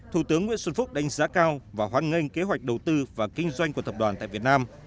thủ tướng nguyễn xuân phúc đánh giá cao và hoan nghênh kế hoạch đầu tư và kinh doanh của tập đoàn tại việt nam